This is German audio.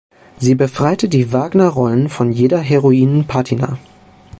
Sie „befreite die Wagner-Rollen von jeder Heroinen-Patina“.